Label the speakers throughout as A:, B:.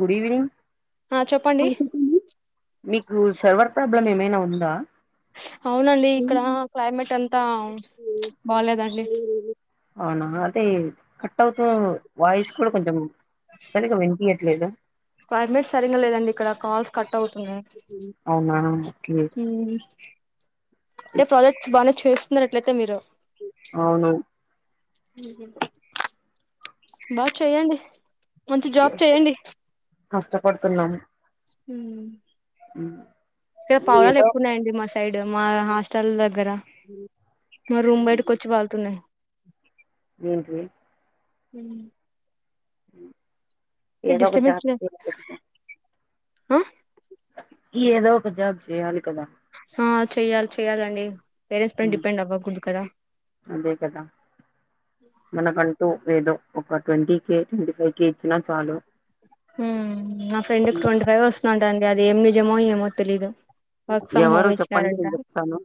A: Good evening.
B: ఆ చెప్పండి
A: మీ ఉ సర్వర్ ప్రాబ్లం ఏమైనా ఉందా.
B: అవునండి. ఇక్కడ క్లైమేట్ అంతా బాలేదండి.
A: కట్టవుతు వాయిస్ కూడా కొంచెం సరిగా వినిపియ లేదా
B: క్లైమేట్ సరింగ్గా లేదండి ఇక్కడ. కాల్స్ కట్ అవుతున్నాయి.
A: అవునా ఓకే
B: రేపు ప్రాజెక్ట్స్ బానే చేస్తున్నారు అట్లయితే మీరు.
A: అవును
B: బా చెయ్యండి. మంచి జాబ్ చేయండి.
A: కష్టపడుతున్నాం
B: హు ఇక్కడ పావురాలు
A: ఏదో
B: ఎక్కువన్నాయండి మా సైడ్. మా హాస్టల్ దగ్గర. మా రూమ్ బయటకు వచ్చి వాల్తున్నాయి.
A: ఏంటిది.
B: ఉ
A: [inaudible]
B: అంటే
A: ఏదో ఒక
B: డిస్టర్బెన్స్
A: జాబ్ చేయాలి కదా.
B: ఆ
A: ఏదో ఒక జాబ్ చేయాలి కదా.
B: ఆ చెయ్యాలి, చెయ్యాలండి. పేరెంట్స్ పైన డిపెండ్ అవ్వకూడదు కదా
A: అదే కదా మనకంటూ ఏదో. ఒక twenty K, twenty five K ఇచ్చినా చాలు.
B: ఉ నా ఫ్రెండ్కి ట్వంటీ ఫైవ్ వస్తున్నాయంట అది ఏం నిజమో ఏమో తేలియదు. వర్క్ ఫ్రమ్
A: ఎవరు
B: హోమ్
A: చెప్పండి
B: ఇచ్చినారంట.
A: నేను చెప్తాను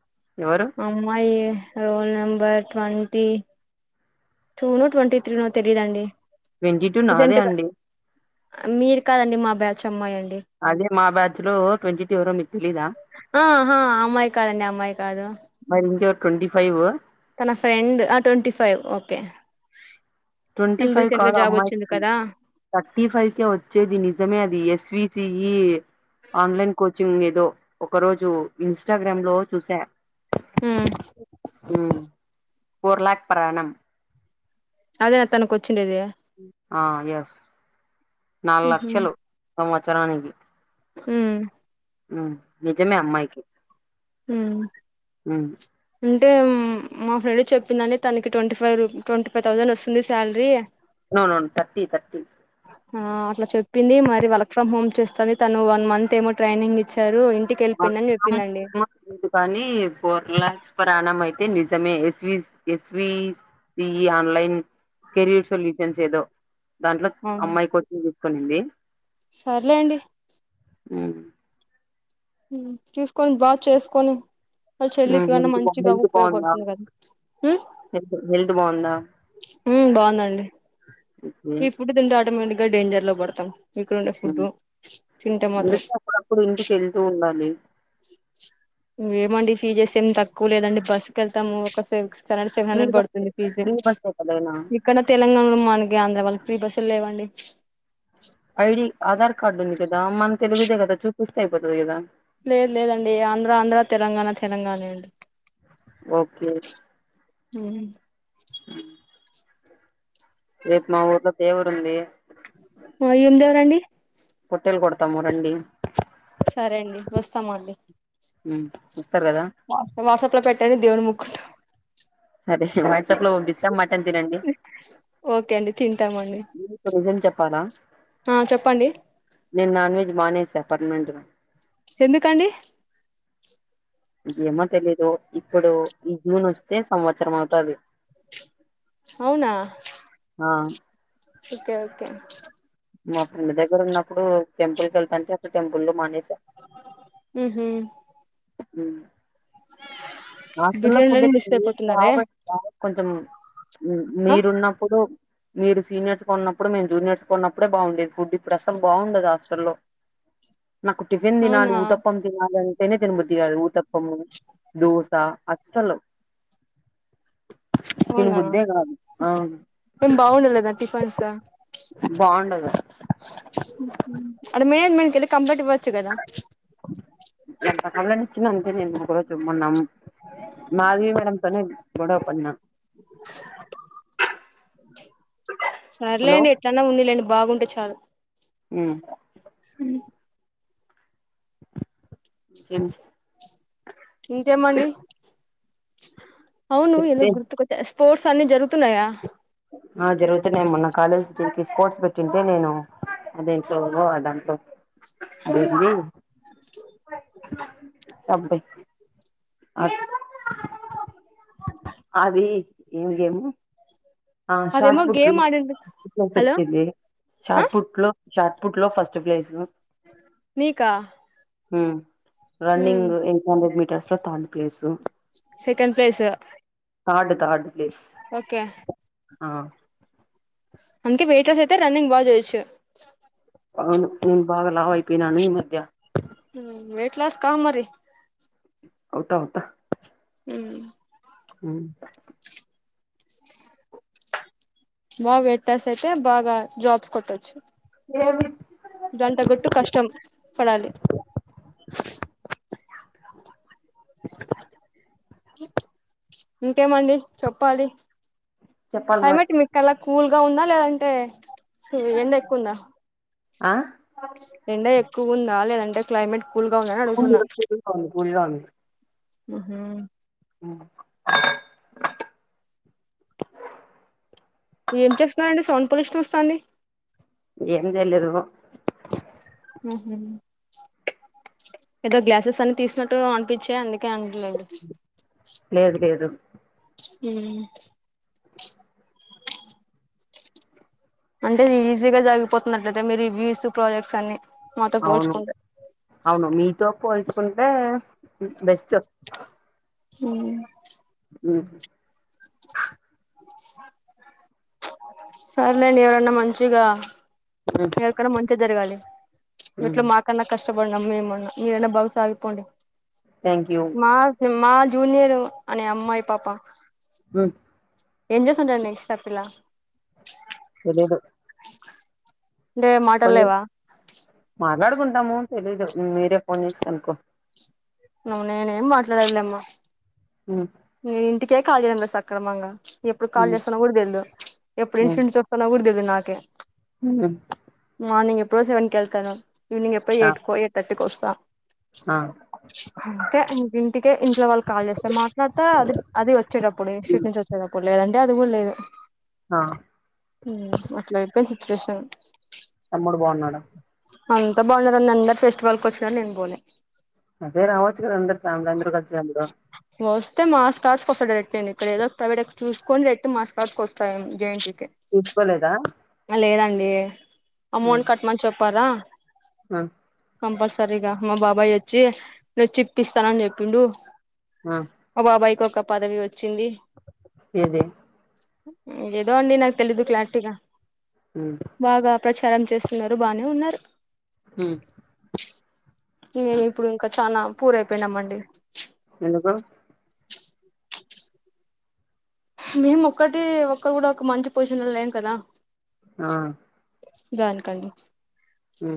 A: ఎవరు
B: అమ్మాయి role number twenty two no twenty three no తెలిదండి.
A: ట్వంటీ టూ నాదే
B: రీసెంట్గా.
A: అండి
B: మీరు కాదండి. మా బ్యా చెమ్మ యన్
A: అదే మా బ్యాచ్ లో ట్వంటీ టు ఎవరో మీకు తెలీదా.
B: ఆహా అమ్మాయి కాదండి అమ్మాయి కాదు
A: మరి ఇంకే ట్వంటీ ఫైవ్
B: తన ఫ్రెండ్, ఆ ట్వంటీ ఫైవ్. ఓకే
A: ట్వంటీ
B: తను
A: ఫైవ్
B: రీసెంట్ గా
A: కాదు
B: జాబ్ వచ్చింది
A: అమ్మాయికి.
B: కదా
A: థర్టీ ఫైవ్ కె వచ్చేది. నిజమే అది ఎస్వి ఈ ఈ ఆన్లైన్ కోచింగ్ ఏదో ఒక రోజు ఇన్స్టాగ్రామ్ లో చూసా.
B: మ్మ్
A: మ్మ్ ఫర్ లాక్ పర్ ఆనం
B: అదే నా తనకి వచ్చి
A: ఆ ఎస్ నాలుగు
B: ఉహు
A: లక్షలు సం వత్సరానికి
B: ఉమ్
A: మ్మ్ నిజమే అమ్మాయికి
B: మ్మ్ అంటే మా ఫ్రెండ్ చెప్పిందంని తనకి twenty five twenty five thousand వస్తుంది శాలరీ
A: ఔన్ థర్టీ థర్టీ
B: ఆ అట్ల చెప్పింది. మరి వర్క్ ఫ్రమ్ హోమ్ చేస్తది తను వన్ మంత్ ఏమో ట్రైనింగ్ ఇచ్చారు ఇంటికి వెళ్ళిపోయిందని చెప్పిందండి
A: లేదు కానీ ఫోర్ లాక్స్ పర్ ఆనం అయి నిజమే S V S V C E online career solutions ఏదో దాంట్లో అమ్మాయికి వచ్చి కొనింది
B: సర్లే అండి
A: మ్మ్
B: చూసుకొని బాగా చేసుకొని వాళ్ళ
A: హ
B: చెల్లికి
A: బ
B: కన్నా మంచిగా
A: హెత్ బాగుందా
B: ఉపయోగపడుతుంది కదా
A: హెల్త్ బాగుందా
B: మ్మ్ బాగుందండి
A: ఓకే
B: ఇపుడు తింట ఆటోమేట్ గా డేంజర్ లో పడ్తాం ఇక్కడ ఉండే ఫుడ్
A: హ్మ్.
B: తింటే మాత్రం
A: అందుకే అప్పుడప్పుడు ఇంటికి వెళ్తూ ఉండాలి
B: మ్మ్ ఏమండి ఫీజెస్ ఏమి తక్కువ లేదండి బస్సుకి వెళ్తాము ఒకసే seven seven
A: three
B: hundred
A: bus
B: పడుతుంది ఫీజ్
A: ఫ్రీ బస్సే కదైనా
B: ఇక్కడ తెలంగాణలో మనకి అంత ఇంక వాళ్ళకి ఫ్రీ బస్సులు లేవండి
A: ఐ డి ఆధార్ కార్డు ఎందుక [unintelligible] ఊర్కే అయిపోతది కదా
B: లేదు లేదండి ఆంధ్ర ఆంధ్ర తెలంగాణ తెలంగాణే అండి
A: ఓకే
B: మ్మ్
A: మ్మ్ రేపు మా ఊరికి ఒక దేవర ఉంది
B: ఏమి దేవరండి
A: పొట్టేలు కొడతాము మురండి
B: సరే అండి వస్తాము అండి
A: మ్మ్
B: వ వాట్సప్లా పెట్ట తని దేవుడును ముక్కుంట
A: సరే వాట్సాప్ లో పంపిస్తా మటన్ తినండి
B: ఓకే అండి తింటామండి
A: రీజన్ చెప్పాలా
B: ఆ చెప్పండి
A: నిన్న న్ వెజ్ మానేసా పర్నెంట్ లో
B: ఎందుకండి
A: గమ తెలిదు ఇప్పుడు ఈ జూన్ వస్తు ఎ సంవత్సరం అవుతది
B: అవునా
A: ఆ
B: ఓకే ఓకే
A: మా ఫెండ్ దగ్గర ఉన్నప్పుడు టెంపుల్ కెళ్తాంటే అక్కడ టెంపుల్ లో మానేస
B: ఊహు
A: హుమ్ హాస్టల్ లో ఫుడ్తే
B: బిర్యానీలని మిస్
A: ఎట్టున్నది
B: అయిపోతున్నారే
A: బాగుందా కొంచం మీరు
B: ఆ
A: మీరున్నప్పుడు మీరు సీనియర్స్ ఉన్నప్పుడు మేము జూనియర్స్గ ఉన్నప్పుడే బాగుండేది ఫుడ్ ఇప్పుడు అసల్ బాగుండదు హాస్టల్లో నాకు టిఫిన్ తినాలి
B: అవునా
A: ఊతప్పం తినాల అంటే నె తినబుద్ది కాదు ఉత్తప్పం దో అస్సలు
B: అవునా
A: తినబుద్దే కాదు ఆ
B: ఏం బాగుండలేదా టిఫెన్స్
A: బావుండదు
B: అడ మేడ్ మీద కెళ్ళి కంపర్ట్ ఇవ ఇవచ్చు కదా
A: ఇచ్చిన నేను అంత కూడా చు మున్నాం మాధవి మేడం తోని గోడవ పడిం
B: సర్లేండి ఎట్లన్నా ఉండలేండి బాగుంటే చాలు
A: ఉమ్ ఎమ్
B: ఇంకేమ్ అండి అవును ఎలా
A: చెప్తే
B: గుర్తుకొట్టేస్తే స్పోర్ట్స్ అన్ని జరుగుతున్నాయ
A: ఆ జరుగుతున్నా మొన్న కాలేజ్ స్పోర్ట్స్ పెట్టింటే నేను అ దెంట్లో దాంట్లో అదేంది సబ్బై అ ఆది ఏం గేము ఆ షార్ట్
B: అదేమో
A: పుట్లు
B: గేమ్ ఆడింది హలో
A: వచ్చదిది
B: ఆ
A: షార్ట్ పుట్లు షార్ట్పుుట్ లో ఫస్ట్ ప్లేస్ లో
B: నీకా
A: మ్
B: ఉమ్
A: running eight hundred meter so third place
B: second place
A: third third place
B: okay
A: ఆ
B: అందుకే వేటర్స్ ఐతే రన్నింగ్ బాల్ చేయచు
A: అవును నేను బాగా లావు అయిపోయినాను ఈమధ్య
B: మ్ వైట్ లాస్ కా మరి
A: అవుతా అవుతా
B: మ్
A: మ్
B: బాగా వెటర్స్ అయితే బాగా జాబ్స్ కొట్టొచ్చు
A: ఏమి
B: జంట గట్టు కష్టం పడాలి ఇంకేమండి చెప్పాలి
A: చెప్పాలి మరి
B: క్లైమేట్ మీక్కలా కూల్ గా ఉందా లే అంటే సే ఎండ ఎక్కువుందా
A: ఆ
B: ఎండ ఎక్ కువుంద లేదంటే క్లైమేట్ కూల్ గా ఉందని అడుగుతున్నా
A: [inaudible]
B: మ్ హు ఏం చేస్తున్నారండి సౌండ్ పొల్యూషన్ వస్తానది
A: ఏం తెలిదు
B: ఉ మ్ ఏదో గ్లాసెస్ అన్ని తీసినట్టు అనిపించా అందుక్ క్యాండి లెండి
A: లేదు లేదు
B: మ్ అంటే ఈజీగా జరిగిపోతున్నట్లయితే మీరు వ్యూస్ ప్రాజెక్ట్స్ అన్ని మాతో
A: అవును
B: పోల్చుకుంటే
A: అవును మీతో పోల్చి కుంటే మ్మ్ బెస్ట్
B: హ్మ్
A: హ్మ్
B: సర్లేండి ఎవరైనా మంచిగా ఎవరికన్నా మంచి జరగాలి ఎట్లో మాకన్నా కష్ ష్ట పడ్డం మేమన్న మీరన్న బాగుసాగిపోండి
A: థ్యాంక్ యూ
B: మాసు మాల్ జూనియరు అని అమ్మాయి పాప ఎంజ సుంటారు నెక్స్ట్ ఆ పిల్ల
A: తెలీదు
B: అంటే మాటల్లేవా
A: కుంటాము తెలీదు మీరే ఫోన్ చేసి కనుకో
B: నమ నేనే ఏం మాట్లాడలమ్ మా
A: మ్మ్
B: నేను ఇంటికే కాల్ చేయన్ రా సక్రమంగా ఎప్పుడు కాల్ చేస్తున్నా కూడా తెల్దు ఎప్పుడు ఇన్సిడెంట్ వస్తున్నా కూడా తెల్దు విన్నాకే
A: మ్మ్
B: రాం నీ ఎప్పుడో సెవన్ కెళ్తను ఈవినింగ్ ఎప్పు ఎయిట్ కో ఎట్ ర్టీకి వస్ స అంటే ఇ ఇంటికే ఇంట్లో వాళ్ళు కాల్ చేస్తే మాక్ తర్వాత అది అది వచ్చేటప్పుడు ఇన్ స్షూట్ నుంచి వచ్చేటప్పుడు లేదండి అది కూడా లేదు
A: ఆ ఆ
B: మ్మ్ అట్లా చెప్పేసి కృషన్
A: తమ్ముడు బాగున్నాడా
B: అంత బాగున్నారు అన్న అందరు ఫెస్టివల్కి వచ్చినారు నేను పోలే
A: అదే రావచ్చు కదా అందరు ఫ్యామిలీ అందరు కలిసినబ్బుడు
B: వస్తే మా స్టార్స్కి వస్తా రెట్ం ఇక్కడ ఏదో ఒక ప్రైవేట్ చూసుకుని రెట్ మా స్టార్స్ వస్తా జె ఎన్ టి యు ఒకే
A: తీసుకోలేదా
B: ఆ లేదండి ఏ
A: ఉమ్
B: అమౌంట్ కట్ మన్ చప్పారా
A: ఉమ్
B: కంపల్సరీగా మా బాబాయ్ వచ్చి నేనుచ్చిప్పిస్తానని చెప్పిండు
A: ఉమ్
B: అ మా బాబాయ్ కప్ క పదవి వచ్
A: ఏది
B: మ్మ్ ఏ దో అండి నాకు తెలిదు క్లారిటీగా
A: ఉమ్
B: బాగా ప్రచారం చేస్తున్నారు బానే ఉన్నారు
A: మ్మ్
B: మేమి ఇప్పుడు ఇంకా చానా పూర్ అయిపోయినామండీ.
A: ఎందుకు?
B: మేమ్ ఒక్కటీ ఒకరు గూడా ఒక మంచి పొజీషన్ లో లేం కదా.
A: ఆ
B: దాన్కండి.
A: హ్మ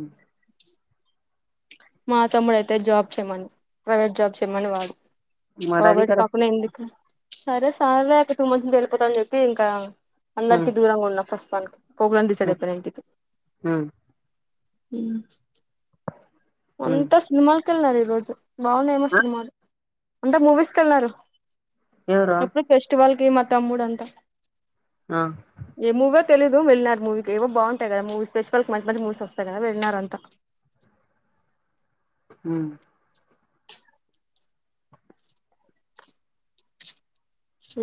B: మా తమ్ముడు అయితే జాబ్ చెయమను. ప్రైవేట్ జాబ్ చెయమని వాడు.
A: మరి అది
B: కాబట్టి
A: కరెక్ట్
B: పక్కన ఎందుకు. సరే సార్లే అ ఒక టూ మంత్ ఉండి వెళ్ళిపోతా అని చెప్పి ఇంకా.
A: ఉమ్
B: అందరికి దూరంగా ఉన్న పరిస్థి. [unintelligible] పోకూడదని డిసైడ్
A: ఉమ్
B: అయిపోనా ఇంటికి.
A: ఉమ్
B: అ
A: ఉమ్
B: అంతా సినిమాలకు కెళ్లారు ఈళ్ రోజు బాగున్నాయేమో
A: ఆ
B: సినిమాలు. అంతా మూవీస్ కెళ్లారు.
A: ఎవరు
B: ఎప్పుడు ఫెస్టివల్. కీ మా తమ్ముడు అంటా.
A: ఆ
B: తెలీదు వెళ్లారు మూవీకి ఏవో బాగుంటాయి గదా మూవీస్ ఫెస్టివల్ కి మంచి మంచి మూవీస్ వస్తాయి కదా వెళ్ళినారు అంతా.
A: హ్మ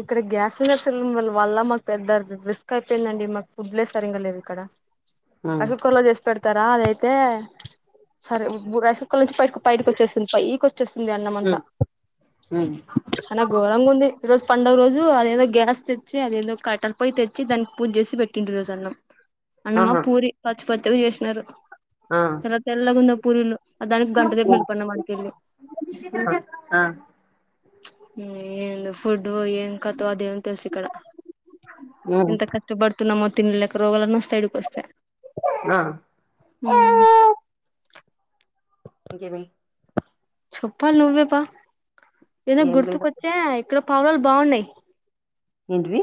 B: ఇక్కడ గ్యాస్ సిలిండర్స్ వల్ల వాళ్ళ మాక్ పెద్ద రిస్క్ అయిపోయిందండి. మాకు ఫుడ్లే సరింగా లేవు ఇక్కడా.
A: ఉమ్
B: రస కొల్ల చేస్ పెడతరా అదైయిత్ తే సరే బూ రసక్ పొక్కల నుంచి పైటకి బైటకు వచ్చేస్తుంది పైకి వచ్చేస్తుంది అన్నమంట.
A: ఉమ్ ఉమ్
B: చానా ఘోరంగ ఉంది. రోజు పండగ రోజూ అదేదో గ్యాస్ తెచ్చి. అదేందో కట్టల పొయ్యి తెచ్చి దానికి పూజ చేసి పెట్టిండు ఈ రోజు అన్నం. అన్నమా
A: ఆహా
B: పూరి పచ్ పచ్చడి చేసినారు.
A: ఆ
B: చాల తెల్లగుంది ఆప్ పురీలు అ దానికి గంటసేపు
A: ఉమ్
B: నిలుపడినాము ఆడికెళ్ళి.
A: ఆ ఆ,
B: నీ ఎందుకు ఫుడ్ వోయి ఏం కత్ ఆ దేవున్కి తెల్సు ఇక్కడా.
A: ఉమ్
B: ఎంత కష్టపడుతున్నామొ. తిండి లేక రోగాలన్నం. తడిపి వస్తే
A: ఆ
B: హ్మ్
A: ఇంకే మీ
B: చెప్పాలి నువ్వేపా ఏదో
A: ఏం లేదు
B: గుర్తుకొచ్చే ఇక్కడొ పావురాలు బావున్నాయి
A: ఏంటిది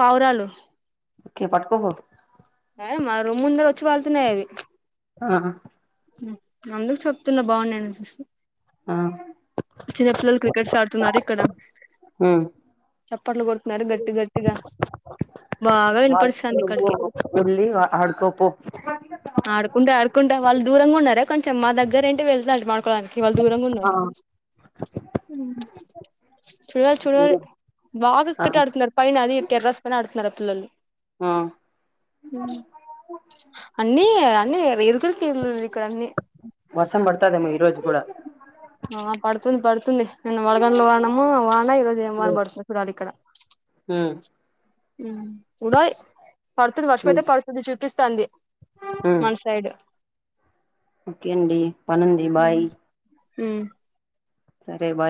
B: పావురాలు
A: ఒకే పట్టుకోకు
B: అ మా రూమ్ ముందర వచ్చి వాలుతున్నాయి అవి
A: ఆ
B: అందుకు చెప్తున్నా బాగున్నాయనేసేసి
A: ఆ
B: చిన్నపిల్లలు క్రికెట్స్ ఆడుతున్నారు ఇక్కడ,
A: ఉమ్
B: చప్పట్లు కొడుతున్నారు గట్టి గట్టిగా, బాగా వినపడుస్థాంది ఇక్కడికి
A: అడుకోపో
B: ఆడుకుంటే ఆడుకుంటా వాళ్ళు దూరంగా ఉన్నార కొంచెం మా దగ్గర ఏంటి వెళ్తాడు మాకు క్కడానికి వాళ్ళు దూరంగా ఉన్నారు
A: ఆ
B: చుడారు చుడరు బాబు
A: ఆ
B: ఒకటే అడుతున్నారు, పైన అది టేర్రస్ పైన అడుతున్నారు లలు
A: ఆ
B: అన్ని అన్ని విల్ చూసి విల్
A: వర్షం పడుతదేమో ఈ రోజు కూడా
B: ఆ పడుతుంది పడుతుంది నేను వడగంలు వానము వా మల్ల ఈరోజ ఏమ వాన బడుతుందో చూడాలా ఇక్కడ
A: మ్
B: మ్ చూడాలి పడుతుంది వషం అయితే పడుతుంది చూపి సంధి మన సైడు
A: ఓకే అండి పనుంది బాయ్
B: హ్మ్
A: సరే బాయ్